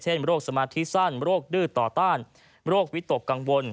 โรคสมาธิสั้นโรคดื้อต่อต้านโรควิตกกังวล